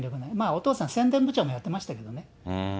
お父さん、部長もやってましたけどね。